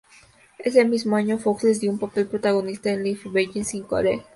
Ese mismo año Fox les dio un papel protagonista en "Life Begins in College".